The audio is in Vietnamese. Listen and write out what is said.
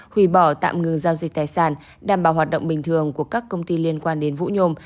hủy bỏ tạm ngừng giao dịch tài sản đảm bảo hoạt động bình thường của các công ty liên quan đến vũ nhôm